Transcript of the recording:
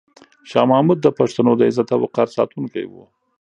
شاه محمود د پښتنو د عزت او وقار ساتونکی و.